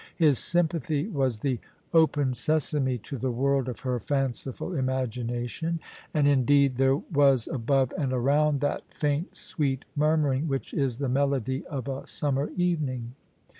His sympathy was the ' Open Sesame ' to the world of her fanciful imagination ; and in deed there was above and around that faint, sweet mur muring which is the melody of a summer evening.